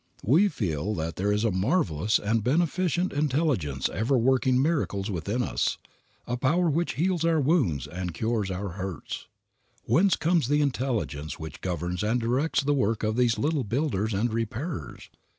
We feel that there is a marvelous and beneficent intelligence ever working miracles within us, a power which heals our wounds and cures our hurts. Whence comes the intelligence which governs and directs the work of these little builders and repairers?